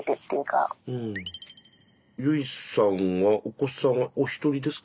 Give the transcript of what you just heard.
ゆいさんはお子さんはお一人ですか？